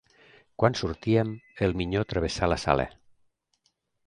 Quan sortíem, el minyó travessà la sala